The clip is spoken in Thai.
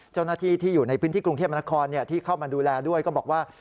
เจ้าหน้าที่ที่อยู่ในพื้นที่กรุงเทพมนครที่เข้ามาดูแลด้วยก็บอกว่า